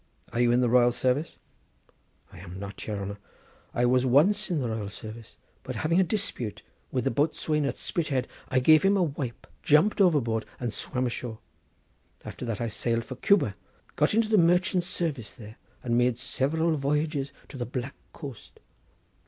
"Are you in the royal service?" "I am not, your honour; I was once in the royal service, but having a dispute with the boatswain at Spithead, I gave him a wipe, jumped overboard and swam ashore. After that I sailed for Cuba, got into the merchants' service there and made several voyages to the Black Coast.